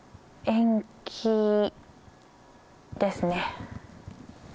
延期です。